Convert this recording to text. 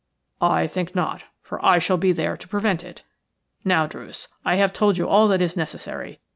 "I think not, for I shall be there to prevent it. Now, Druce, I have told you all that is necessary.